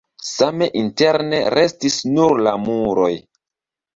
Same interne restis nur la muroj.